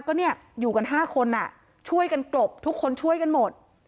ก็เนี่ยอยู่กัน๕คนช่วยกันกลบทุกคนช่วยกันหมด